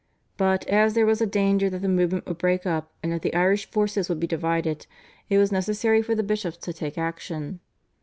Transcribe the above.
But, as there was a danger that the movement would break up and that the Irish forces would be divided, it was necessary for the bishops to take action.